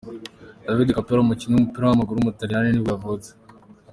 Davide Capello, umukinnyi w’umupira w’amaguru w’umutaliyani nibwo yavutse.